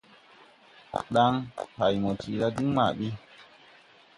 Ɗaŋ: « Pay mo tiʼ la diŋ ma ɓi.